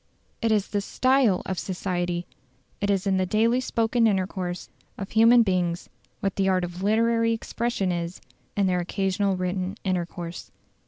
It is the STYLE of society; it is in the daily spoken intercourse of human beings what the art of literary expression is in their occasional written intercourse.